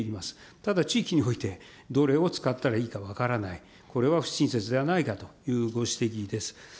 ただ地域において、どれを使ったらいいか分からない、これは不親切ではないかというご指摘です。